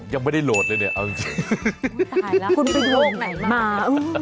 ยังไม่ได้โหลดเลยเนี่ยเอาจริงตายแล้วคุณไปโรงไหนมา